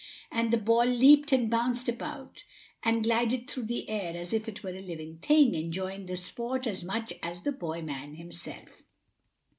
And the ball leaped and bounced about and glided through the air as if it were a live thing, enjoying the sport as much as the boy man himself.